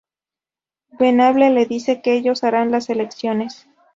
Venable le dice que ellos harán las selecciones.